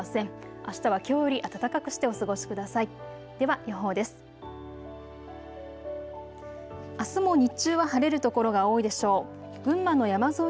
あしたはきょうより暖かくしてお過ごしください。